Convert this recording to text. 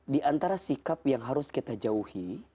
di antara sikap yang harus kita jauhi